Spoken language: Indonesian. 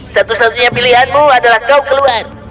satu satunya pilihanmu adalah kau keluar